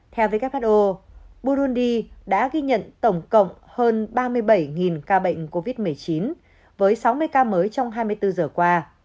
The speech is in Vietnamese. theo who burundi đã ghi nhận tổng cộng hơn ba mươi bảy ca bệnh covid một mươi chín với sáu mươi ca mới trong hai mươi bốn giờ qua